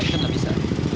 itu tidak bisa